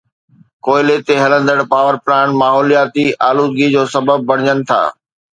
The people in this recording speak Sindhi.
ڪوئلي تي هلندڙ پاور پلانٽس ماحولياتي آلودگي جو سبب بڻجن ٿا.